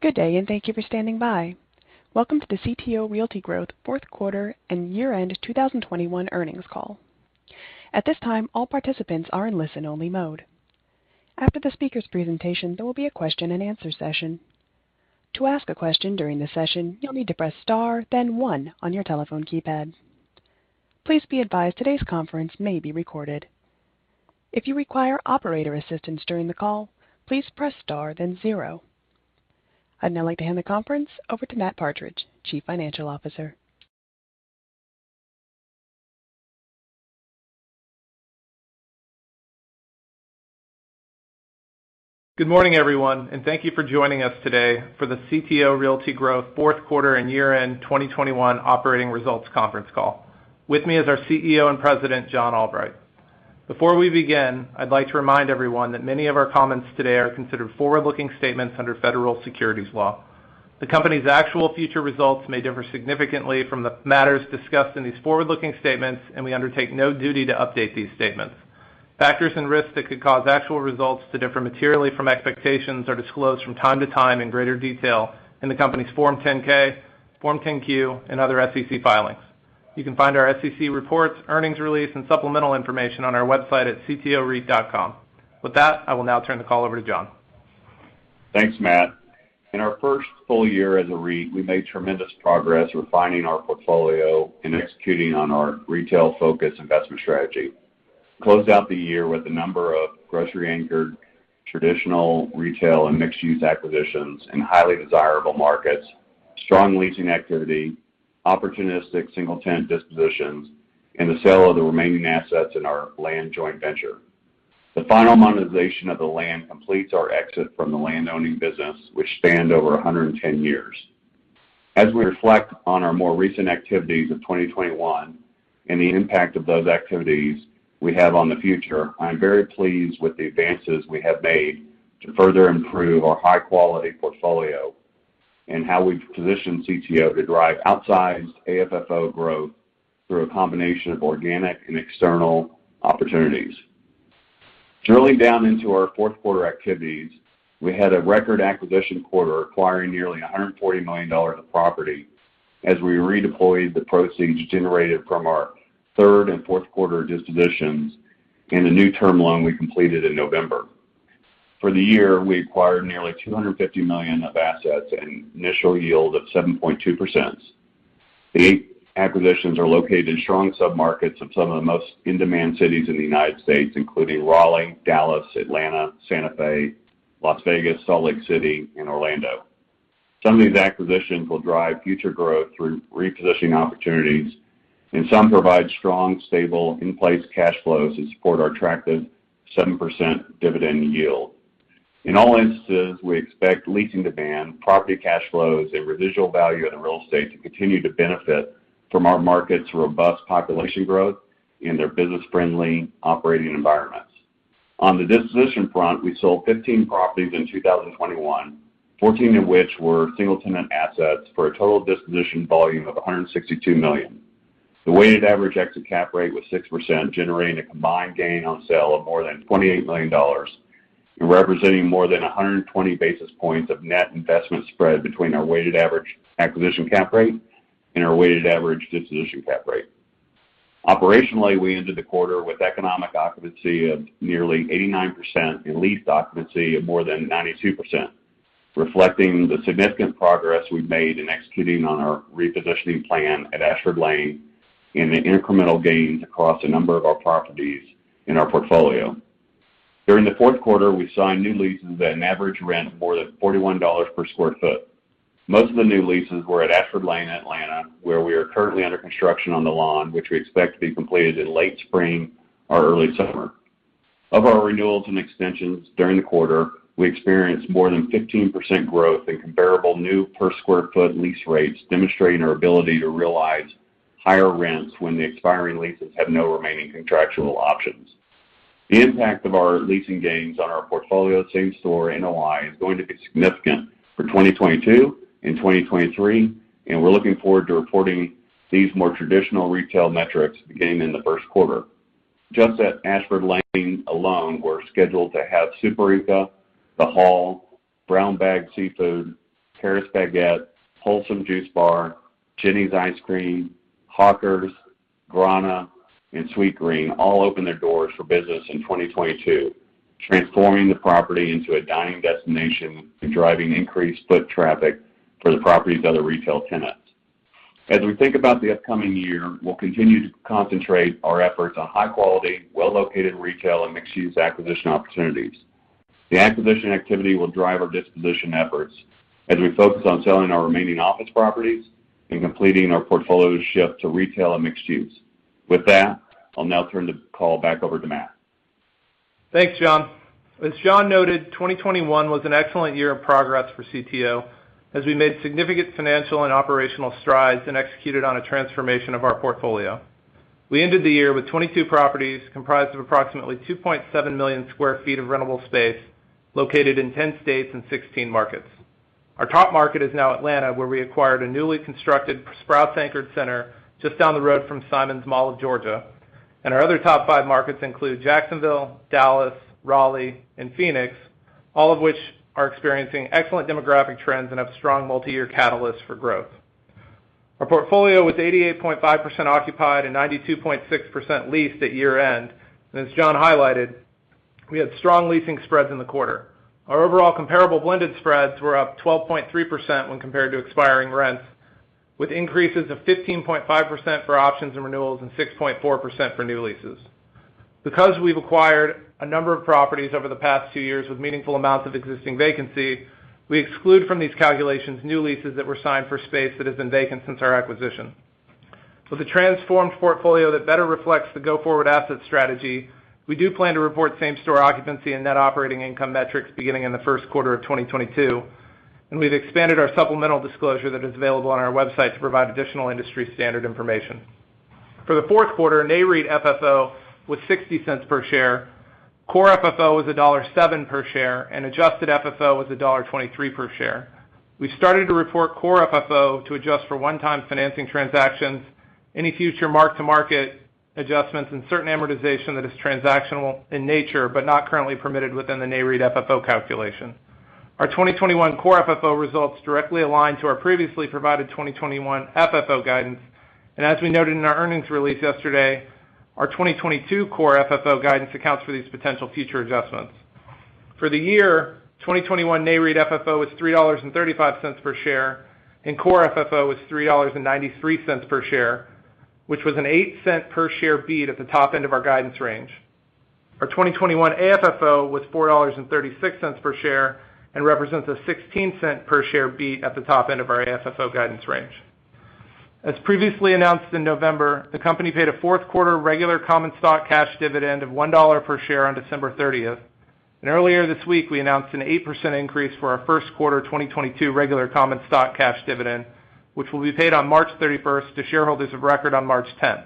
Good day, and thank you for standing by. Welcome to the CTO Realty Growth fourth quarter and year-end 2021 earnings call. At this time, all participants are in listen-only mode. After the speaker's presentation, there will be a question-and-answer session. To ask a question during the session, you'll need to press star, then one on your telephone keypad. Please be advised today's conference may be recorded. If you require operator assistance during the call, please press star, then zero. I'd now like to hand the conference over to Matt Partridge, Chief Financial Officer. Good morning, everyone, and thank you for joining us today for the CTO Realty Growth fourth quarter and year-end 2021 operating results conference call. With me is our CEO and President, John Albright. Before we begin, I'd like to remind everyone that many of our comments today are considered forward-looking statements under federal securities law. The company's actual future results may differ significantly from the matters discussed in these forward-looking statements, and we undertake no duty to update these statements. Factors and risks that could cause actual results to differ materially from expectations are disclosed from time to time in greater detail in the company's Form 10-K, Form 10-Q, and other SEC filings. You can find our SEC reports, earnings release, and supplemental information on our website at ctoreit.com. With that, I will now turn the call over to John. Thanks, Matt. In our first full year as a REIT, we made tremendous progress refining our portfolio and executing on our retail-focused investment strategy. Closed out the year with a number of grocery anchored traditional retail and mixed use acquisitions in highly desirable markets, strong leasing activity, opportunistic single tenant dispositions, and the sale of the remaining assets in our land joint venture. The final monetization of the land completes our exit from the landowning business, which spanned over 110 years. As we reflect on our more recent activities of 2021 and the impact of those activities we have on the future, I am very pleased with the advances we have made to further improve our high quality portfolio and how we position CTO to drive outsized AFFO growth through a combination of organic and external opportunities. Drilling down into our fourth quarter activities, we had a record acquisition quarter, acquiring nearly $140 million of property as we redeployed the proceeds generated from our third and fourth quarter dispositions and a new term loan we completed in November. For the year, we acquired nearly $250 million of assets at an initial yield of 7.2%. The eight acquisitions are located in strong submarkets of some of the most in-demand cities in the United States, including Raleigh, Dallas, Atlanta, Santa Fe, Las Vegas, Salt Lake City, and Orlando. Some of these acquisitions will drive future growth through repositioning opportunities, and some provide strong, stable in-place cash flows to support our attractive 7% dividend yield. In all instances, we expect leasing demand, property cash flows, and residual value of the real estate to continue to benefit from our market's robust population growth and their business-friendly operating environments. On the disposition front, we sold 15 properties in 2021, 14 of which were single tenant assets for a total disposition volume of $162 million. The weighted average exit cap rate was 6%, generating a combined gain on sale of more than $28 million and representing more than 120 basis points of net investment spread between our weighted average acquisition cap rate and our weighted average disposition cap rate. Operationally, we ended the quarter with economic occupancy of nearly 89% and lease occupancy of more than 92%, reflecting the significant progress we've made in executing on our repositioning plan at Ashford Lane and the incremental gains across a number of our properties in our portfolio. During the fourth quarter, we signed new leases at an average rent of more than $41/sq ft. Most of the new leases were at Ashford Lane, Atlanta, where we are currently under construction on the Lawn, which we expect to be completed in late spring or early summer. Of our renewals and extensions during the quarter, we experienced more than 15% growth in comparable new per square foot lease rates, demonstrating our ability to realize higher rents when the expiring leases have no remaining contractual options. The impact of our leasing gains on our portfolio same store NOI is going to be significant for 2022 and 2023, and we're looking forward to reporting these more traditional retail metrics beginning in the first quarter. Just at Ashford Lane alone, we're scheduled to have Superica, The Hall, Brown Bag Seafood, Paris Baguette, Wholesum Juice Bar, Jeni's Ice Cream, Hawkers, Grana, and Sweetgreen all open their doors for business in 2022, transforming the property into a dining destination and driving increased foot traffic for the property's other retail tenants. As we think about the upcoming year, we'll continue to concentrate our efforts on high quality, well-located retail and mixed use acquisition opportunities. The acquisition activity will drive our disposition efforts as we focus on selling our remaining office properties and completing our portfolio shift to retail and mixed use. With that, I'll now turn the call back over to Matt. Thanks, John. As John noted, 2021 was an excellent year of progress for CTO as we made significant financial and operational strides and executed on a transformation of our portfolio. We ended the year with 22 properties comprised of approximately 2.7 million sq ft of rentable space located in 10 states and 16 markets. Our top market is now Atlanta, where we acquired a newly constructed Sprouts-anchored center just down the road from Simon's Mall of Georgia. Our other top five markets include Jacksonville, Dallas, Raleigh, and Phoenix, all of which are experiencing excellent demographic trends and have strong multi-year catalysts for growth. Our portfolio was 88.5% occupied and 92.6% leased at year-end. As John highlighted, we had strong leasing spreads in the quarter. Our overall comparable blended spreads were up 12.3% when compared to expiring rents, with increases of 15.5% for options and renewals and 6.4% for new leases. Because we've acquired a number of properties over the past two years with meaningful amounts of existing vacancy, we exclude from these calculations new leases that were signed for space that has been vacant since our acquisition. With a transformed portfolio that better reflects the go-forward asset strategy, we do plan to report same-store occupancy and net operating income metrics beginning in the first quarter of 2022, and we've expanded our supplemental disclosure that is available on our website to provide additional industry standard information. For the fourth quarter, NAREIT FFO was $0.60 per share, core FFO was $1.07 per share, and adjusted FFO was $1.23 per share. We started to report core FFO to adjust for one-time financing transactions, any future mark-to-market adjustments, and certain amortization that is transactional in nature but not currently permitted within the NAREIT FFO calculation. Our 2021 core FFO results directly align to our previously provided 2021 FFO guidance. As we noted in our earnings release yesterday, our 2022 core FFO guidance accounts for these potential future adjustments. For the year, 2021 NAREIT FFO was $3.35 per share, and core FFO was $3.93 per share, which was an $0.08 per share beat at the top end of our guidance range. Our 2021 AFFO was $4.36 per share and represents a $0.16 per share beat at the top end of our AFFO guidance range. As previously announced in November, the company paid a fourth-quarter regular common stock cash dividend of $1 per share on December 30th. Earlier this week, we announced an 8% increase for our first quarter 2022 regular common stock cash dividend, which will be paid on March 31st to shareholders of record on March 10th.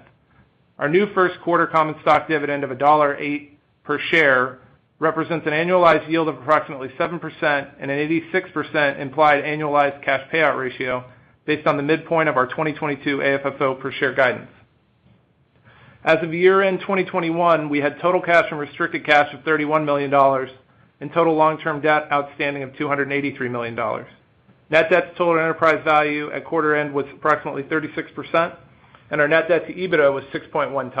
Our new first quarter common stock dividend of $1.08 per share represents an annualized yield of approximately 7% and an 86% implied annualized cash payout ratio based on the midpoint of our 2022 AFFO per share guidance. As of year-end 2021, we had total cash and restricted cash of $31 million and total long-term debt outstanding of $283 million. Net debt to total enterprise value at quarter end was approximately 36%, and our net debt to EBITDA was 6.1.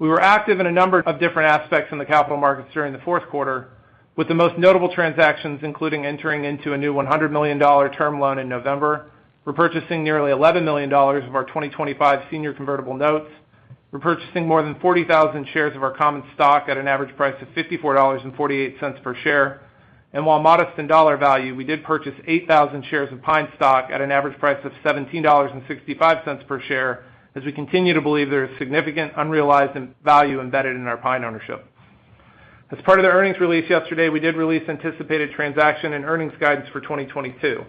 We were active in a number of different aspects in the capital markets during the fourth quarter, with the most notable transactions including entering into a new $100 million term loan in November, repurchasing nearly $11 million of our 2025 senior convertible notes, repurchasing more than 40,000 shares of our common stock at an average price of $54.48 per share. While modest in dollar value, we did purchase 8,000 shares of PINE stock at an average price of $17.65 per share, as we continue to believe there is significant unrealized value embedded in our PINE ownership. As part of the earnings release yesterday, we did release anticipated transaction and earnings guidance for 2022.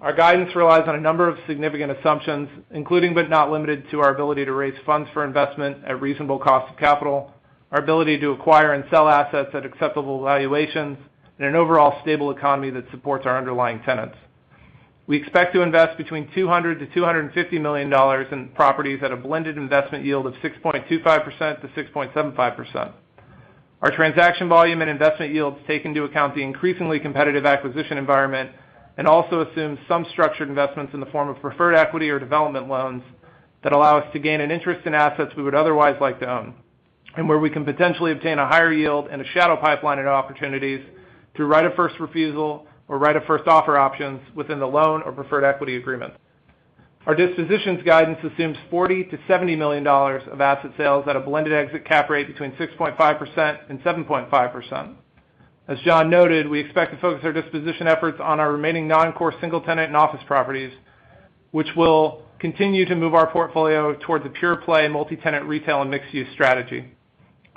Our guidance relies on a number of significant assumptions, including but not limited to our ability to raise funds for investment at reasonable cost of capital, our ability to acquire and sell assets at acceptable valuations, and an overall stable economy that supports our underlying tenants. We expect to invest between $200 million-$250 million in properties at a blended investment yield of 6.25%-6.75%. Our transaction volume and investment yields take into account the increasingly competitive acquisition environment and also assume some structured investments in the form of preferred equity or development loans that allow us to gain an interest in assets we would otherwise like to own, and where we can potentially obtain a higher yield and a shadow pipeline of opportunities through right of first refusal or right of first offer options within the loan or preferred equity agreement. Our dispositions guidance assumes $40 million-$70 million of asset sales at a blended exit cap rate between 6.5% and 7.5%. As John noted, we expect to focus our disposition efforts on our remaining non-core single-tenant and office properties, which will continue to move our portfolio towards a pure-play multi-tenant retail and mixed-use strategy.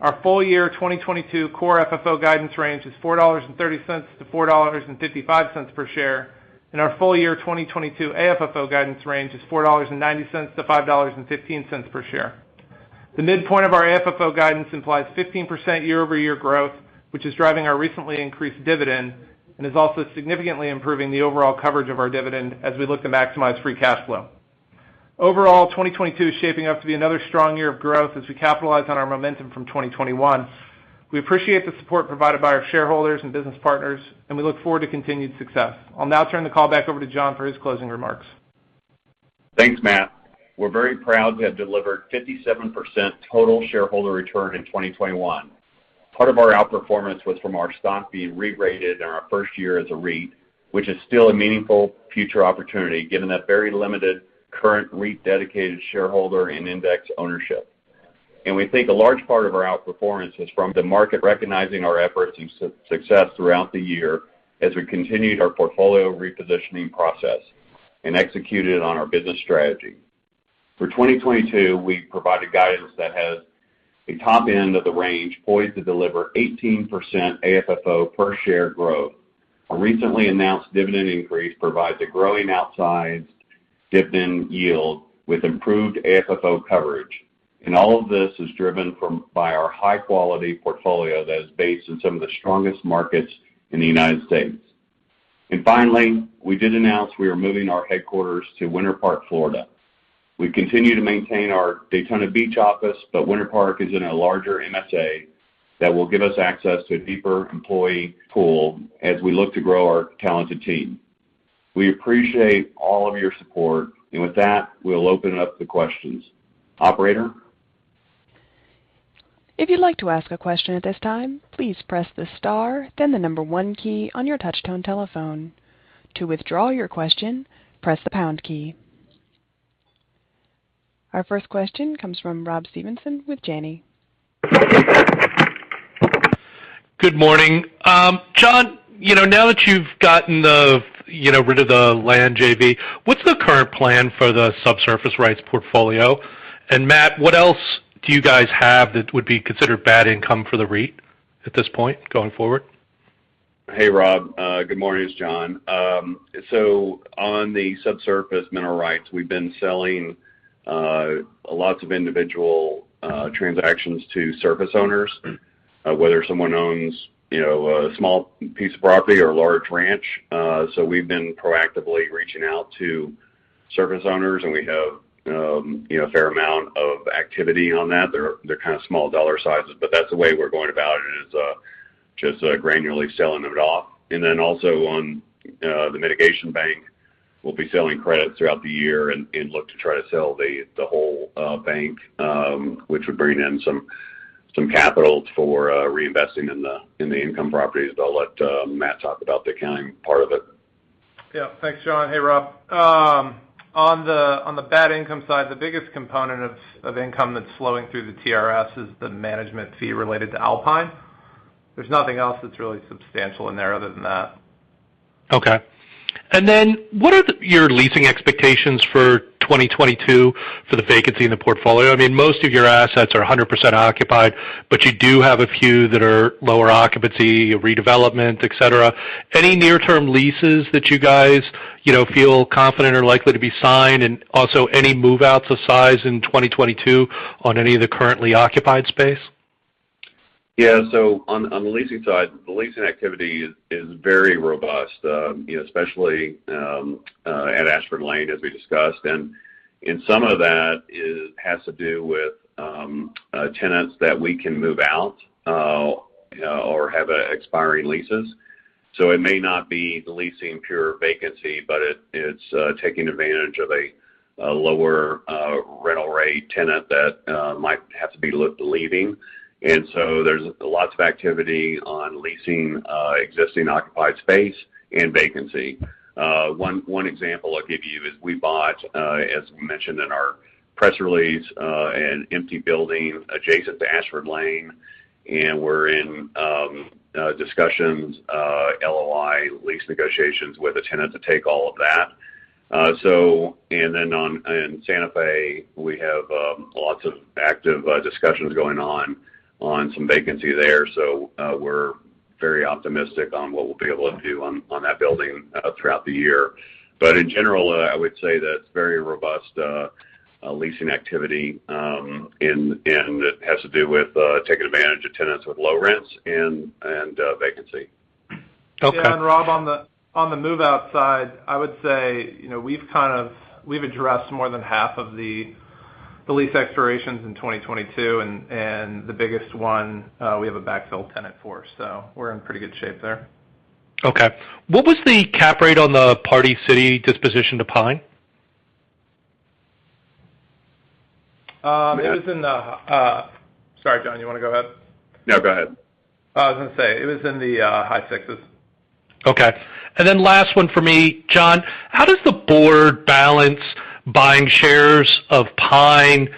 Our full year 2022 core FFO guidance range is $4.30-$4.55 per share, and our full year 2022 AFFO guidance range is $4.90-$5.15 per share. The midpoint of our AFFO guidance implies 15% year-over-year growth, which is driving our recently increased dividend and is also significantly improving the overall coverage of our dividend as we look to maximize free cash flow. Overall, 2022 is shaping up to be another strong year of growth as we capitalize on our momentum from 2021. We appreciate the support provided by our shareholders and business partners, and we look forward to continued success. I'll now turn the call back over to John for his closing remarks. Thanks, Matt. We're very proud to have delivered 57% total shareholder return in 2021. Part of our outperformance was from our stock being re-rated in our first year as a REIT, which is still a meaningful future opportunity given that very limited current REIT-dedicated shareholder and index ownership. We think a large part of our outperformance is from the market recognizing our efforts and success throughout the year as we continued our portfolio repositioning process and executed on our business strategy. For 2022, we provided guidance that has the top end of the range poised to deliver 18% AFFO per share growth. Our recently announced dividend increase provides a growing attractive yield with improved AFFO coverage. All of this is driven by our high quality portfolio that is based in some of the strongest markets in the United States. Finally, we did announce we are moving our headquarters to Winter Park, Florida. We continue to maintain our Daytona Beach office, but Winter Park is in a larger MSA that will give us access to a deeper employee pool as we look to grow our talented team. We appreciate all of your support. With that, we'll open up the questions. Operator? If you would like to ask a question at this time, then the number one key on your touchpad telephone. To withdraw your question prress the pound key. Our first question comes from Rob Stevenson with Janney. Good morning. John, you know, now that you've gotten rid of the land JV, what's the current plan for the subsurface rights portfolio? Matt, what else do you guys have that would be considered bad income for the REIT at this point going forward? Hey, Rob. Good morning. It's John. So on the subsurface mineral rights, we've been selling lots of individual transactions to surface owners, whether someone owns, you know, a small piece of property or a large ranch. So we've been proactively reaching out to surface owners, and we have, you know, a fair amount of activity on that. They're kind of small dollar sizes, but that's the way we're going about it, is just granularly selling it off. Then also on the mitigation bank, we'll be selling credits throughout the year and look to try to sell the whole bank, which would bring in some capital for reinvesting in the income properties, but I'll let Matt talk about the accounting part of it. Yeah. Thanks, John. Hey, Rob. On the bad income side, the biggest component of income that's flowing through the TRS is the management fee related to Alpine. There's nothing else that's really substantial in there other than that. Okay. What are your leasing expectations for 2022 for the vacancy in the portfolio? I mean, most of your assets are 100% occupied, but you do have a few that are lower occupancy, redevelopment, etc. Any near-term leases that you guys, you know, feel confident are likely to be signed, and also any move-outs of size in 2022 on any of the currently occupied space? Yeah. On the leasing side, the leasing activity is very robust, you know, especially at Ashford Lane, as we discussed. Some of that has to do with tenants that we can move out or have expiring leases. It may not be the leasing pure vacancy, but it's taking advantage of a lower rental rate tenant that might have to be leaving. There's lots of activity on leasing existing occupied space and vacancy. One example I'll give you is we bought, as we mentioned in our press release, an empty building adjacent to Ashford Lane, and we're in discussions LOI lease negotiations with a tenant to take all of that. In Santa Fe, we have lots of active discussions going on some vacancy there. We're very optimistic on what we'll be able to do on that building throughout the year. In general, I would say that it's very robust leasing activity, and it has to do with taking advantage of tenants with low rents and vacancy. Okay. Rob, on the move-out side, I would say, you know, we've addressed more than half of the lease expirations in 2022, and the biggest one, we have a backfill tenant for. We're in pretty good shape there. Okay. What was the cap rate on the Party City disposition to PINE? Sorry, John, you wanna go ahead? No, go ahead. I was gonna say it was in the high sixes. Okay. Last one for me. John, how does the board balance buying shares of PINE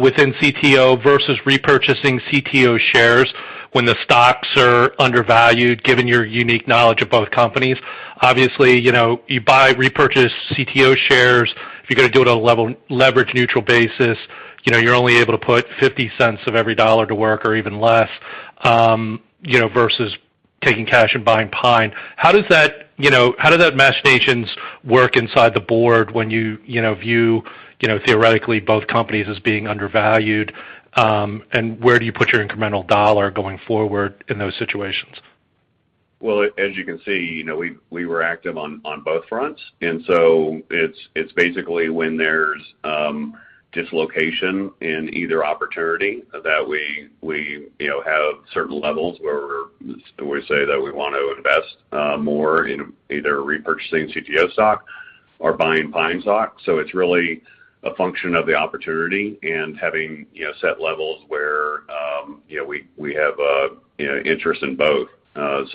within CTO versus repurchasing CTO shares when the stocks are undervalued, given your unique knowledge of both companies? Obviously, you know, you've repurchased CTO shares. If you're gonna do it on a leverage-neutral basis, you know, you're only able to put $0.50 of every $1 to work or even less, you know, versus taking cash and buying PINE. How does that mechanics work inside the board when you know, view, you know, theoretically both companies as being undervalued? Where do you put your incremental dollar going forward in those situations? Well, as you can see, you know, we were active on both fronts. It's basically when there's dislocation in either opportunity that we, you know, have certain levels where we say that we wanna invest more in either repurchasing CTO stock or buying PINE stock. It's really a function of the opportunity and having, you know, set levels where, you know, we have a, you know, interest in both. It's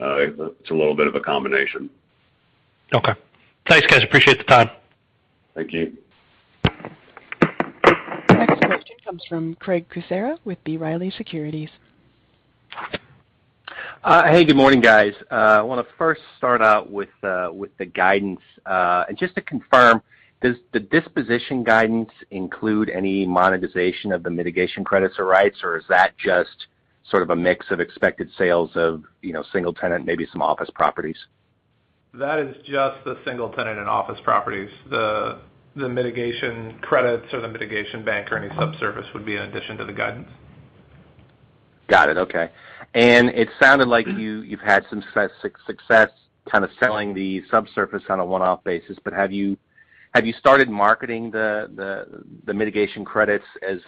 a little bit of a combination. Okay. Thanks, guys. Appreciate the time. Thank you. Next question comes from Craig Kucera with B. Riley Securities. Hey, good morning, guys. I wanna first start out with the guidance. Just to confirm, does the disposition guidance include any monetization of the mitigation credits or rights, or is that just sort of a mix of expected sales of, you know, single tenant, maybe some office properties. That is just the single tenant and office properties. The mitigation credits or the mitigation bank or any subsurface would be in addition to the guidance. Got it. Okay. It sounded like you've had some success kind of selling the subsurface on a one-off basis, but have you started marketing the mitigation credits as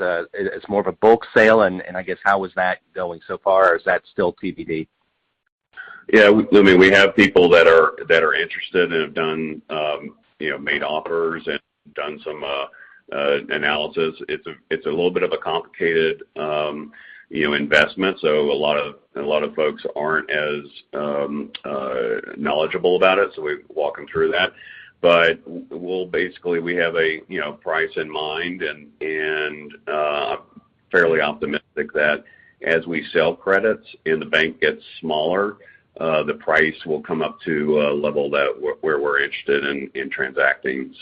more of a bulk sale? I guess how is that going so far, or is that still TBD? Yeah. I mean, we have people that are interested and have, you know, made offers and done some analysis. It's a little bit of a complicated, you know, investment, so a lot of folks aren't as knowledgeable about it, so we walk them through that. We have, you know, a price in mind and fairly optimistic that as we sell credits and the bank gets smaller, the price will come up to a level where we're interested in transacting.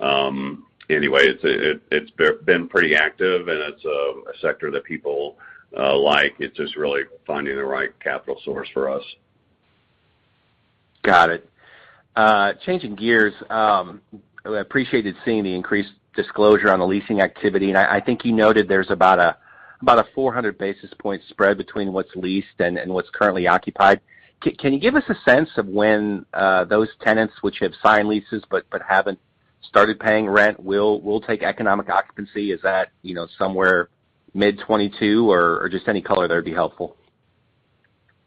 So anyway, it's been pretty active and it's a sector that people like. It's just really finding the right capital source for us. Got it. Changing gears, appreciated seeing the increased disclosure on the leasing activity. I think you noted there's about a 400 basis point spread between what's leased and what's currently occupied. Can you give us a sense of when those tenants which have signed leases but haven't started paying rent will take economic occupancy? Is that, you know, somewhere mid-2022 or just any color there would be helpful.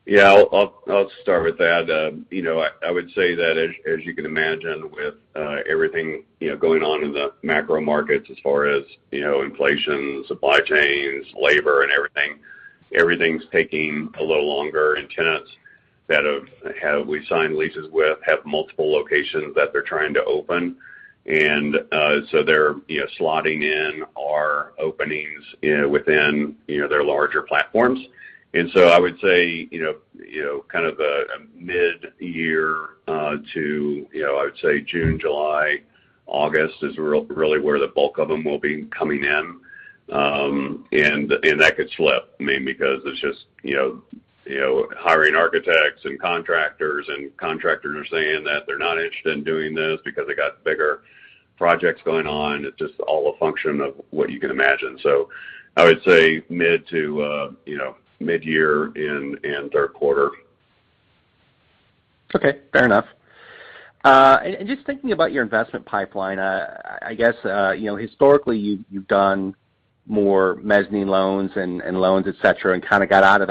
Yeah. I'll start with that. You know, I would say that as you can imagine with everything you know going on in the macro markets as far as you know inflation, supply chains, labor and everything's taking a little longer. Tenants that we signed leases with have multiple locations that they're trying to open. So they're you know slotting in our openings within their larger platforms. So I would say you know kind of a mid-year to you know I would say June, July, August is really where the bulk of them will be coming in. And that could slip, I mean, because it's just you know hiring architects and contractors, and contractors are saying that they're not interested in doing this because they got bigger projects going on. It's just all a function of what you can imagine. I would say mid to, you know, mid-year and third quarter. Okay. Fair enough. Just thinking about your investment pipeline, I guess you know, historically, you've done more mezzanine loans and loans, et cetera, and kind of got out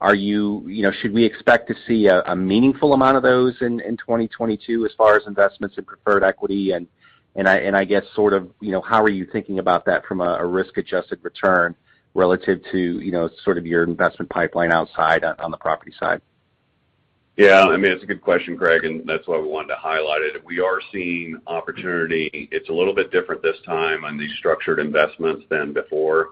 of that business. I guess you know, should we expect to see a meaningful amount of those in 2022 as far as investments in preferred equity? I guess, sort of, you know, how are you thinking about that from a risk-adjusted return relative to, you know, sort of your investment pipeline outside on the property side? Yeah, I mean, it's a good question, Craig, and that's why we wanted to highlight it. We are seeing opportunity. It's a little bit different this time on these structured investments than before.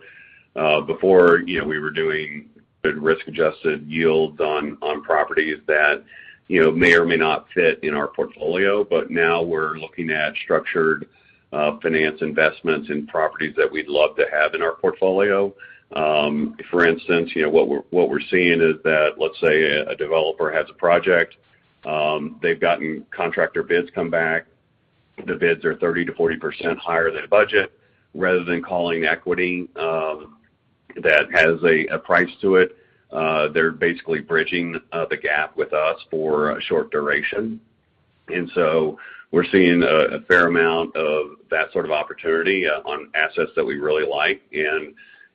Before, you know, we were doing good risk-adjusted yields on properties that, you know, may or may not fit in our portfolio. Now we're looking at structured finance investments in properties that we'd love to have in our portfolio. For instance, you know, what we're seeing is that, let's say a developer has a project, they've gotten contractor bids come back. The bids are 30%-40% higher than budget. Rather than calling equity, that has a price to it, they're basically bridging the gap with us for a short duration. We're seeing a fair amount of that sort of opportunity on assets that we really like.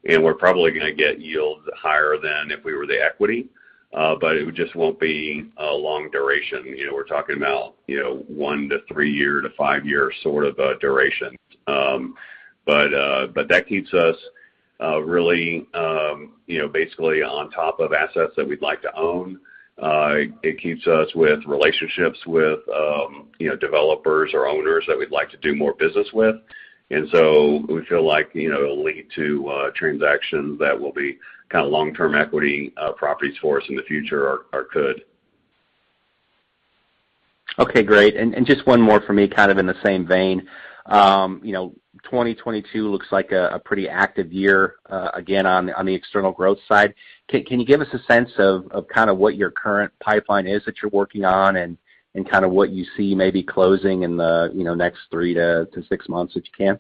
We're probably gonna get yields higher than if we were the equity, but it just won't be a long duration. You know, we're talking about, you know, one to three-year to five-year sort of duration. That keeps us really, you know, basically on top of assets that we'd like to own. It keeps us with relationships with, you know, developers or owners that we'd like to do more business with. We feel like, you know, it'll lead to transactions that will be kind of long-term equity properties for us in the future or could. Okay, great. Just one more for me, kind of in the same vein. You know, 2022 looks like a pretty active year, again, on the external growth side. Can you give us a sense of kind of what your current pipeline is that you're working on and kind of what you see maybe closing in the you know, next three to six months, if you can?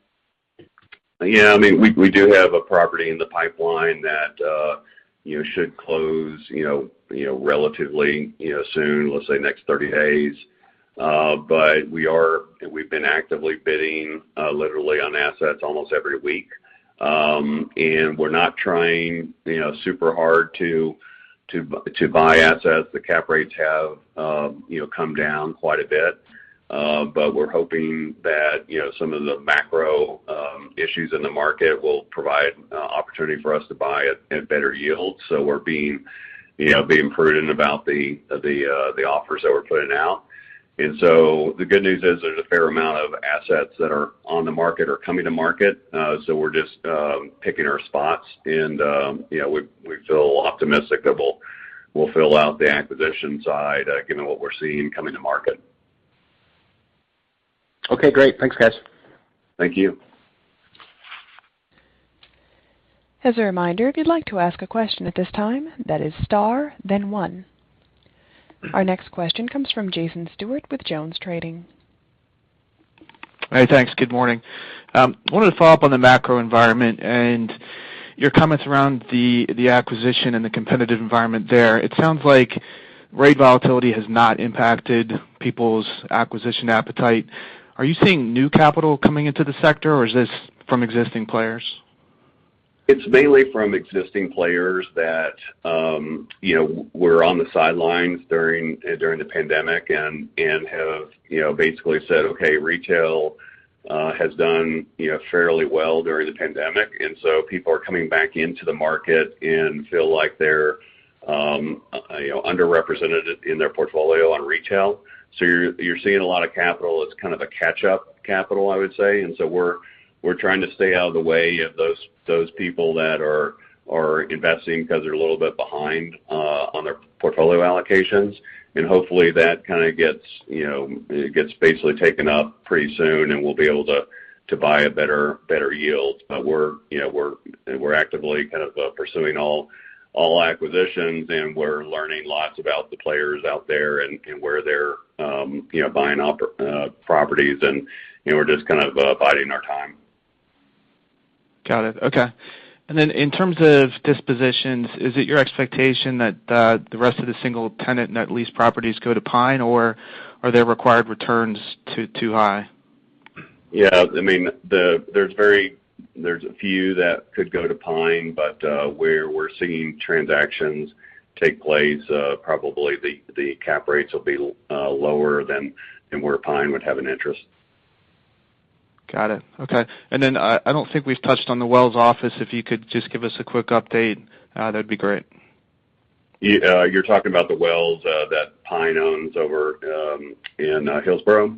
Yeah, I mean, we do have a property in the pipeline that you know should close relatively soon, let's say next 30 days. We've been actively bidding literally on assets almost every week. We're not trying you know super hard to buy assets. The cap rates have come down quite a bit. We're hoping that you know some of the macro issues in the market will provide opportunity for us to buy at better yields. We're being you know prudent about the offers that we're putting out. The good news is there's a fair amount of assets that are on the market or coming to market. We're just picking our spots and, you know, we feel optimistic that we'll fill out the acquisition side, given what we're seeing coming to market. Okay, great. Thanks, guys. Thank you. As a reminder, if you'd like to ask a question at this time, that is star, then one. Our next question comes from Jason Stewart with JonesTrading. Hey, thanks. Good morning. I wanted to follow up on the macro environment and your comments around the acquisition and the competitive environment there. It sounds like rate volatility has not impacted people's acquisition appetite. Are you seeing new capital coming into the sector, or is this from existing players? It's mainly from existing players that, you know, were on the sidelines during the pandemic and have, you know, basically said, "Okay, retail has done, you know, fairly well during the pandemic." People are coming back into the market and feel like they're, you know, underrepresented in their portfolio on retail. You're seeing a lot of capital as kind of a catch-up capital, I would say. We're trying to stay out of the way of those people that are investing because they're a little bit behind on their portfolio allocations. Hopefully, that kinda gets, you know, gets basically taken up pretty soon, and we'll be able to buy a better yield. We're, you know, we're actively kind of pursuing all acquisitions, and we're learning lots about the players out there and where they're, you know, buying properties. You know, we're just kind of biding our time. Got it. Okay. In terms of dispositions, is it your expectation that the rest of the single tenant net lease properties go to PINE, or are their required returns too high? Yeah. I mean, there's a few that could go to PINE, but where we're seeing transactions take place, probably the cap rates will be lower than where PINE would have an interest. Got it. Okay. I don't think we've touched on the Wells Office. If you could just give us a quick update, that'd be great. You're talking about the Wells that PINE owns over in Hillsborough?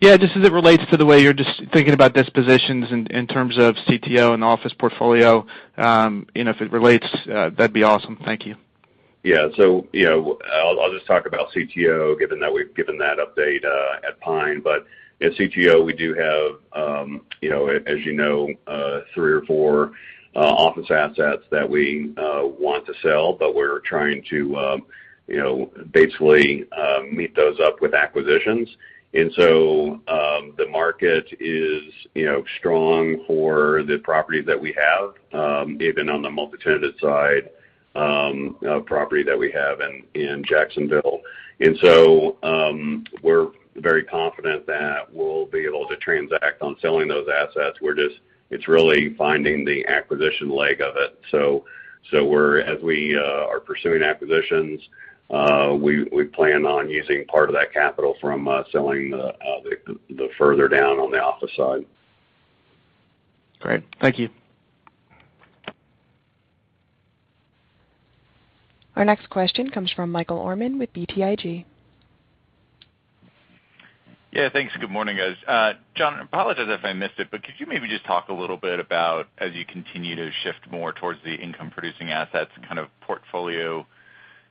Yeah, just as it relates to the way you're just thinking about dispositions in terms of CTO and the office portfolio. You know, if it relates, that'd be awesome. Thank you. You know, I'll just talk about CTO, given that we've given that update at PINE. At CTO, we do have, you know, as you know, three or four office assets that we want to sell, but we're trying to, you know, basically, match those up with acquisitions. The market is, you know, strong for the properties that we have, even on the multi-tenant side, property that we have in Jacksonville. We're very confident that we'll be able to transact on selling those assets. We're just finding the acquisition leg of it. As we are pursuing acquisitions, we plan on using part of that capital from selling the offices further down on the office side. Great. Thank you. Our next question comes from Michael Gorman with BTIG. Yeah, thanks. Good morning, guys. John, I apologize if I missed it, but could you maybe just talk a little bit about as you continue to shift more towards the income producing assets kind of portfolio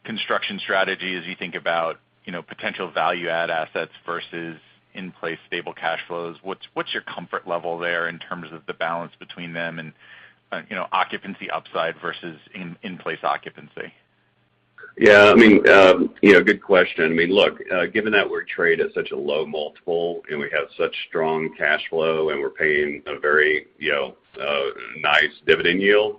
construction strategy as you think about, you know, potential value add assets versus in-place stable cash flows, what's your comfort level there in terms of the balance between them and, you know, occupancy upside versus in-place occupancy? Yeah. I mean, you know, good question. I mean, look, given that we trade at such a low multiple, and we have such strong cash flow, and we're paying a very, you know, nice dividend yield,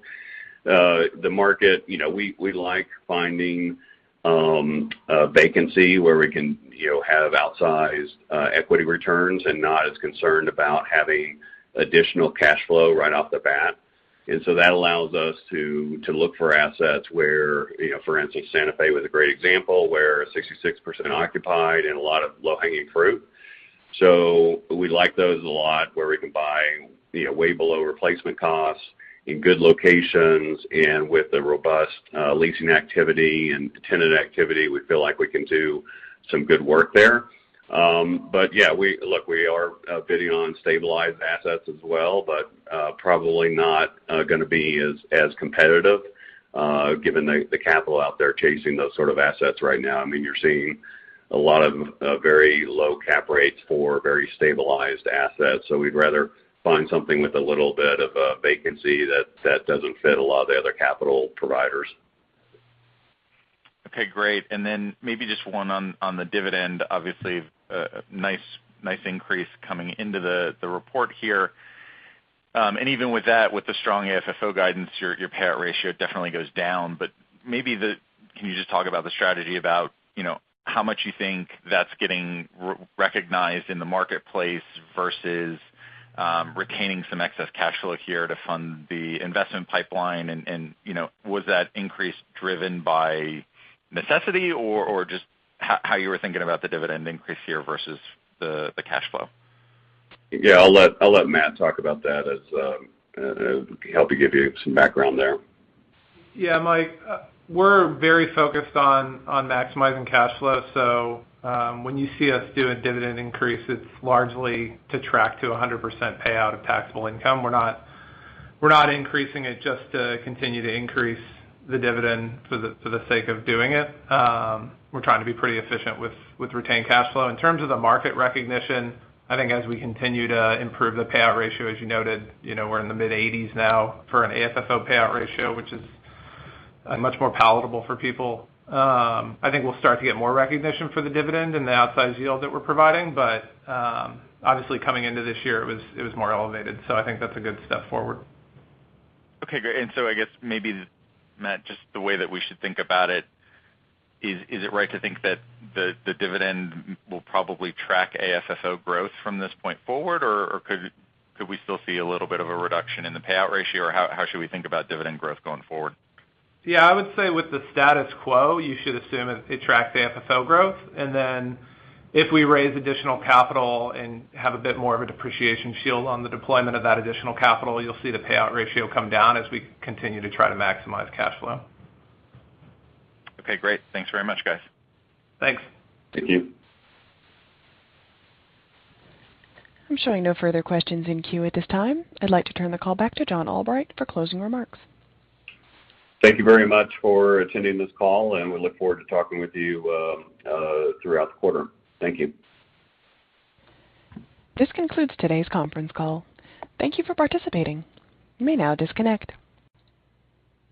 the market. You know, we like finding a vacancy where we can, you know, have outsized equity returns and not as concerned about having additional cash flow right off the bat. That allows us to look for assets where, you know, for instance, Santa Fe was a great example, where 66% occupied and a lot of low-hanging fruit. We like those a lot where we can buy, you know, way below replacement costs in good locations and with the robust leasing activity and tenant activity, we feel like we can do some good work there. But yeah, we... Look, we are bidding on stabilized assets as well, but probably not gonna be as competitive given the capital out there chasing those sort of assets right now. I mean, you're seeing a lot of very low cap rates for very stabilized assets. We'd rather find something with a little bit of a vacancy that doesn't fit a lot of the other capital providers. Okay, great. Then maybe just one on the dividend. Obviously, nice increase coming into the report here. Even with that, with the strong AFFO guidance, your payout ratio definitely goes down. But maybe. Can you just talk about the strategy about, you know, how much you think that's getting recognized in the marketplace versus retaining some excess cash flow here to fund the investment pipeline? You know, was that increase driven by necessity or just how you were thinking about the dividend increase here versus the cash flow? I'll let Matt talk about that to help give you some background there. Yeah, Mike, we're very focused on maximizing cash flow. When you see us do a dividend increase, it's largely to track to 100% payout of taxable income. We're not increasing it just to continue to increase the dividend for the sake of doing it. We're trying to be pretty efficient with retained cash flow. In terms of the market recognition, I think as we continue to improve the payout ratio, as you noted, you know, we're in the mid-80%s now for an AFFO payout ratio, which is much more palatable for people. I think we'll start to get more recognition for the dividend and the outsized yield that we're providing. Obviously coming into this year, it was more elevated, so I think that's a good step forward. Okay, great. I guess maybe, Matt, just the way that we should think about it, is it right to think that the dividend will probably track AFFO growth from this point forward, or could we still see a little bit of a reduction in the payout ratio, or how should we think about dividend growth going forward? Yeah. I would say with the status quo, you should assume it tracks the AFFO growth. Then if we raise additional capital and have a bit more of a depreciation shield on the deployment of that additional capital, you'll see the payout ratio come down as we continue to try to maximize cash flow. Okay, great. Thanks very much, guys. Thanks. Thank you. I'm showing no further questions in queue at this time. I'd like to turn the call back to John Albright for closing remarks. Thank you very much for attending this call, and we look forward to talking with you throughout the quarter. Thank you. This concludes today's conference call. Thank you for participating. You may now disconnect.